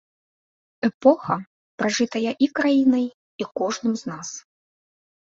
Эпоха, пражытая і краінай, і кожным з нас.